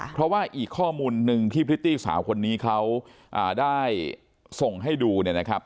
เพราะว่าอีกข้อมูลหนึ่งที่พริตตี้สาวคนนี้เขาได้ส่งให้ดูเนี่ยนะครับ